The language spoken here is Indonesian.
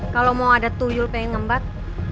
kalau mau ada tuyul pengen ngembat